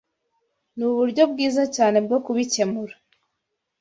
Nuburyo bwiza cyane bwo kubikemura.